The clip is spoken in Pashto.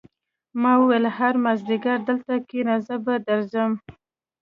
ما وویل هر مازدیګر دلته کېنه زه به درځم